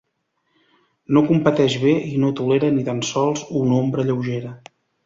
No competeix bé i no tolera ni tan sols una ombra lleugera.